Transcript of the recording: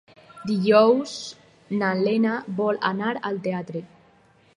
Dijous na Lena vol anar al teatre.